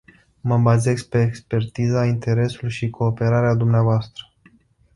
Mă bazez pe expertiza, interesul și cooperarea dvs.